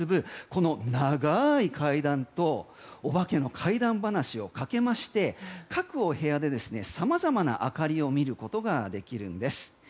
この長い階段とお化けの怪談話をかけまして各お部屋で様々な明かりを見ることができるんです。